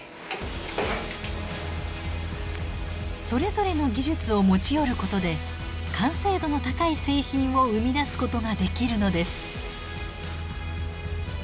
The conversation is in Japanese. それぞれの技術を持ち寄ることで完成度の高い製品を生み出すことができるのです。